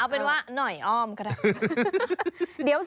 เอาเป็นว่าหน่อยอ้อมก็ได้